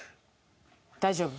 大丈夫？